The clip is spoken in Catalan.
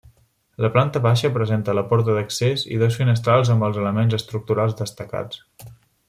La planta baixa presenta la porta d'accés i dos finestrals amb els elements estructurals destacats.